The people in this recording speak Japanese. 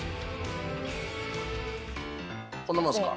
こんなもんですか？